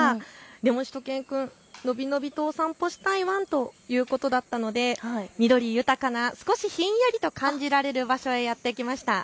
でもしゅと犬くんのびのびとお散歩したいワンということだったので緑豊かな少しひんやりと感じられる場所へやって来ました。